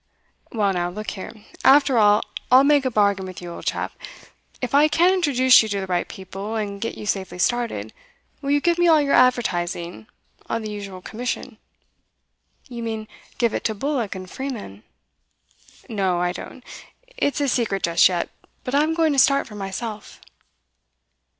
'Well now, look here. After all, I'll make a bargain with you, old chap. If I can introduce you to the right people, and get you safely started, will you give me all your advertising, on the usual commission?' 'You mean, give it to Bullock and Freeman?' 'No, I don't. It's a secret just yet, but I'm going to start for myself.